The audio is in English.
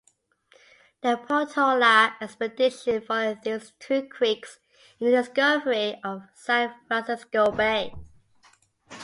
The Portola expedition followed these two creeks in the discovery of San Francisco Bay.